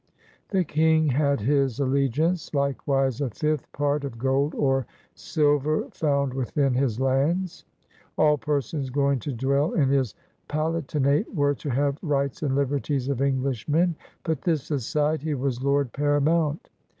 The King had his alle giance, likewise a fifth part of gold or silver found within his lands. All persons going to dwell in his palatinate were to have "rights and liberties of Englishmen. But, this aside, he was lord para mount.